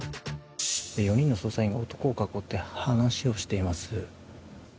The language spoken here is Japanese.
４人の捜査員が男を囲って話をしています。